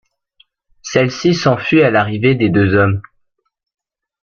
Celle-ci s'enfuit à l'arrivée des deux hommes.